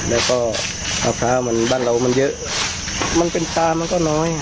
แล้วก็เอาฟ้ามันบ้านเรามันเยอะมันเป็นปลามันก็น้อย